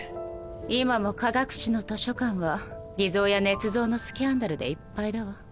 今も科学史の図書館は偽造や捏造のスキャンダルでいっぱいだわ。